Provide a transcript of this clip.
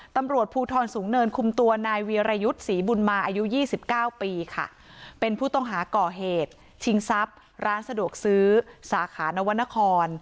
ตำรวจภูทรสูงเนินคุมตัวนายวีรยุทธ์ศรีบุญมาอายุ๒๙ปีค่ะเป็นผู้ต้องหาก่อเหตุชิงทรัพย์ร้านสะดวกซื้อสาขานวรรณคร